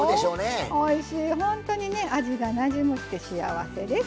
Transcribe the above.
本当にね味がなじむって幸せです。